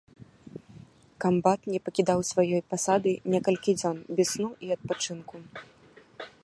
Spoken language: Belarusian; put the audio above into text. Камбат не пакідаў сваёй пасады некалькі дзён без сну і адпачынку.